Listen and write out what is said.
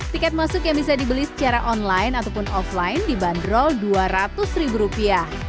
tiket masuk yang bisa dibeli secara online ataupun offline dibanderol dua ratus ribu rupiah